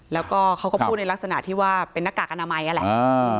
แล้วก็เขาก็พูดในลักษณะที่ว่าเป็นหน้ากากอนามัยนั่นแหละ